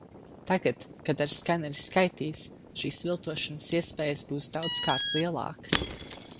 Tagad, kad ar skaneri skaitīs, šīs viltošanas iespējas būs daudzkārt lielākas.